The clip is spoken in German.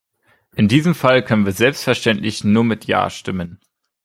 In diesem Fall können wir selbstverständlich nur mit Ja stimmen.